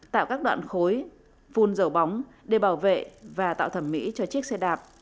tạo các đoạn khối phun dầu bóng để bảo vệ và tạo thẩm mỹ cho chiếc xe đạp